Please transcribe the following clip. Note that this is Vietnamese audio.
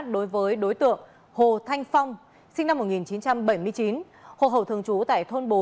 đối với đối tượng hồ thanh phong sinh năm một nghìn chín trăm bảy mươi chín hộ khẩu thường trú tại thôn bốn